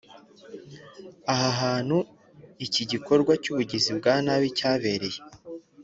Aha hantu iki gikorwa cy’ubugizi bwa nabi cyabereye